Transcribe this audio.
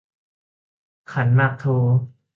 ขันหมากโท